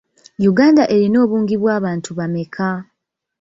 Uganda erina obungi bw'abantu bameka?